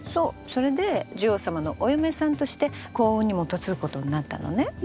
それで寿王様のお嫁さんとして幸運にも嫁ぐことになったのね。